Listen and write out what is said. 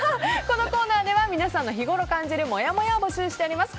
このコーナーでは皆さんの日ごろ感じるもやもやを募集しております。